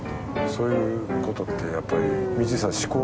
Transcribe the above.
そういうことってやっぱり。